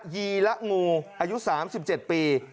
ีละงูอายุ๓๗ปี